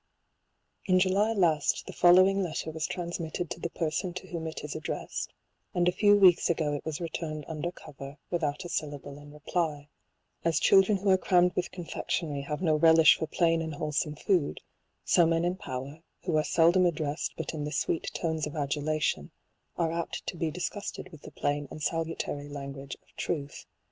1797. In July last the following letter was transmitted to the person to whom it is addressed, and a few weeks ago it was returned un der cover, without a syllable in reply. As children who are cram med with confectionary have no relish for plain and wholesome food, so men in power, who are seldom addressed but in the sweet tones of adulation, are apt to be disgusted with the plain and sa lutary language of truth.